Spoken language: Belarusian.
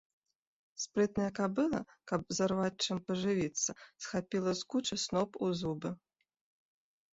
Спрытная кабыла, каб зарваць чым пажывіцца, схапіла з кучы сноп у зубы.